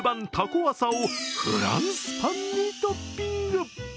こわさをフランスパンにトッピング。